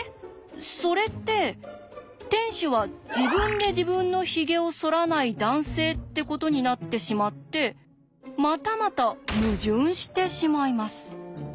それって店主は自分で自分のヒゲをそらない男性ってことになってしまってまたまた矛盾してしまいます。